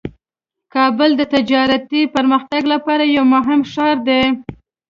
کابل د تجارتي پرمختګ لپاره یو مهم ښار دی.